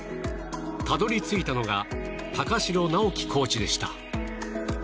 たどり着いたのが高城直基コーチでした。